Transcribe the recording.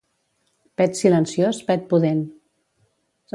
Pet silenciós pet pudent